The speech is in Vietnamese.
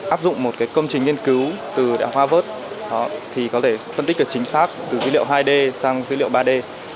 áp dụng một cái công trình nghiên cứu từ harvard thì có thể phân tích được chính xác từ dữ liệu hai d sang dữ liệu ba d